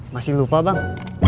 masih lupa bang